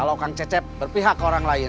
kalau kang cecep berpihak ke orang lain